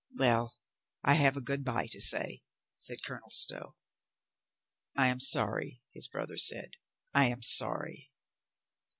... "Well ! I have a good by to say," said Colonel Stow. "I am sorry," his brother said. "I am sorry.'